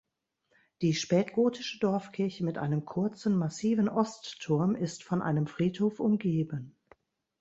Die spätgotische Dorfkirche mit einem kurzen massiven Ostturm ist von einem Friedhof umgeben.